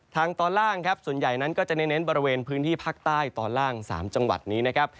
ตอนล่างครับส่วนใหญ่นั้นก็จะเน้นบริเวณพื้นที่ภาคใต้ตอนล่าง๓จังหวัดนี้นะครับ